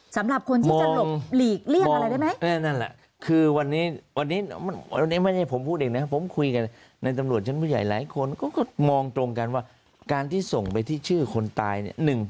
สำหรับคนที่จะหลบหลีกเลี่ยงอะไรได้ไหม